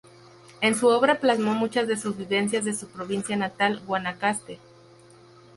En su obra plasmó muchas de sus vivencias de su provincia natal, Guanacaste.